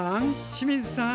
清水さん！